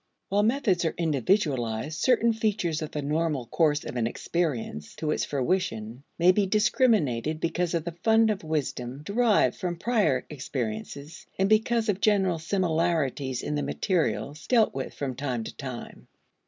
While methods are individualized, certain features of the normal course of an experience to its fruition may be discriminated, because of the fund of wisdom derived from prior experiences and because of general similarities in the materials dealt with from time to time.